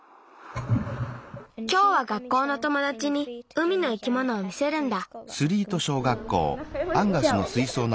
きょうは学校のともだちに海の生き物を見せるんだ。